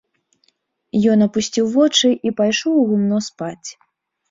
Ён апусціў вочы і пайшоў у гумно спаць.